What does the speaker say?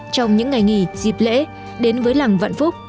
trong những ngày nghỉ dịp lễ đến với làng vạn phúc